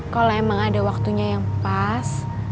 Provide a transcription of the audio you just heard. kalau emang ada waktunya yang pas